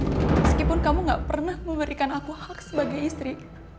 meskipun kamu gak pernah memberikan aku hoax sebagai istri